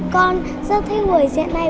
con rất thích vụ diễn này